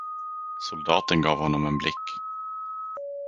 Soldaten gav honom en blick.